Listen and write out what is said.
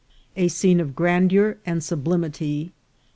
— A Scene of Grandeur and Sublimity.